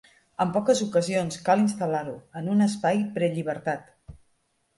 En poques ocasions cal instal·lar-lo en un espai prellibertat.